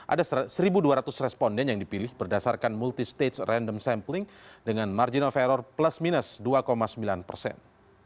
ada satu dua ratus responden yang dipilih berdasarkan multistage random sampling dengan margin of error plus minus dua sembilan persen